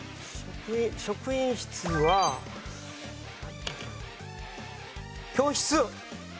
職員室は教室。